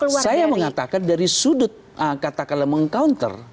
nah saya mengatakan dari sudut kata kalau meng counter